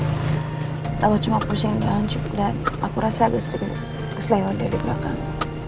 kalau cuma pusing pusing dan aku rasa agak sedikit keselihatan di belakang